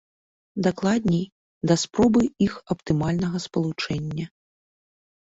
Дакладней, да спробы іх аптымальнага спалучэння.